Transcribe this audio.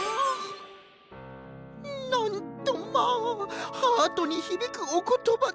なんとまあハートにひびくおことばでございます。